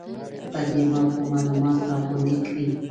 په دې باب به معلومات راغونډ کړي.